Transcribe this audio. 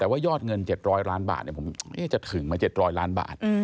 แต่ว่ายอดเงิน๗๐๐ล้านบาทผมจะถึงไหม๗๐๐ล้านบาท